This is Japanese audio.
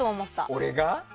俺が？